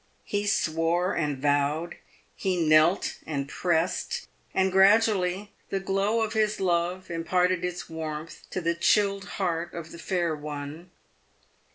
He swore and vowed, he knelt and pressed, and gradually the glow of his love imparted its warmth to the chilled heart of the fair one.